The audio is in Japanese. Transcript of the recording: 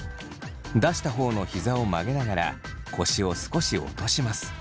出した方のひざを曲げながら腰を少し落とします。